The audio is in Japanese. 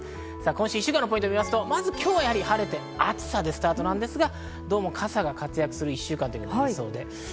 今週１週間のポイントを見ますと、今日は晴れて、暑さでスタートなんですが、どうも傘が活躍する１週間となりそうなんです。